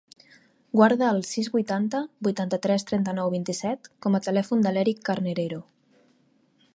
Guarda el sis, vuitanta, vuitanta-tres, trenta-nou, vint-i-set com a telèfon de l'Eric Carnerero.